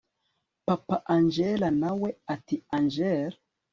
papa angella nawe ati angel